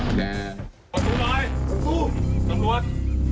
แดด